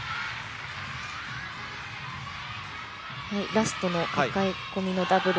ラストのかかえ込みのダブル。